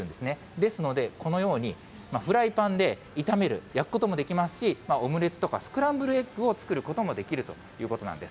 ですので、このように、フライパンで炒める、焼くこともできますし、オムレツとかスクランブルエッグを作ることもできるということなんです。